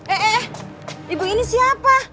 eh eh ibu ini siapa